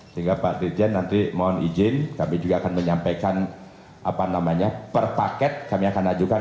sehingga pak dirjen nanti mohon izin kami juga akan menyampaikan per paket kami akan ajukan